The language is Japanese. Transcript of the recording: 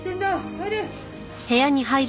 入れ！